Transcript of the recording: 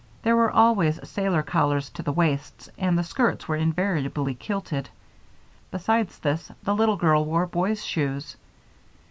There were always sailor collars to the waists, and the skirts were invariably kilted. Besides this, the little girl wore boys' shoes.